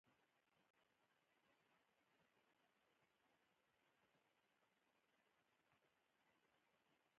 واوره د افغانستان په اوږده تاریخ کې ذکر شوې ده.